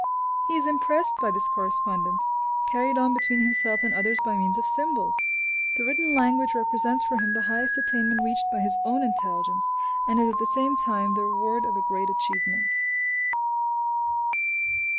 He is impressed by this correspondence, carried on between himself and others by means of symbols. The written language represents for him the highest attainment reached by his own intelligence, and is at the same time, the reward of a great achievement.